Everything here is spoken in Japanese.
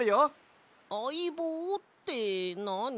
あいぼうってなに？